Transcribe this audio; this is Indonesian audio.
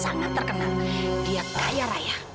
sangat terkenal dia kaya raya